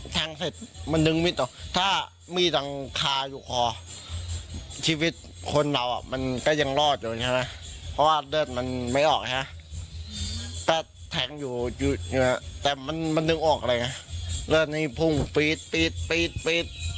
ตั้งรอดอยู่ใช่ไหมเพราะว่าเลือดมันไม่ออกใช่แต่แท้งอยู่แต่มันมันถึงออกเลยเลือดมันมีพุ่งปีดปีดปีดปีด